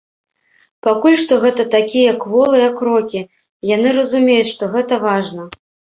Пакуль што гэта такія кволыя крокі, яны разумеюць, што гэта важна.